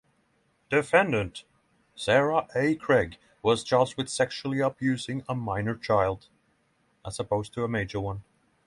Defendant Sandra A. Craig was charged with sexually abusing a minor child.